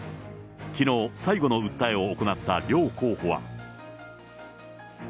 きのう、最後の訴えを行った両候補は。